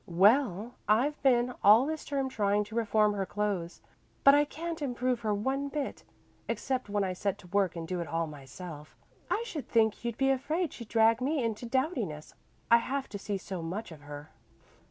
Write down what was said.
"Well, I've been all this term trying to reform her clothes, but I can't improve her one bit, except when I set to work and do it all myself. I should think you'd be afraid she'd drag me into dowdiness, I have to see so much of her."